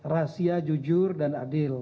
rahasia jujur dan adil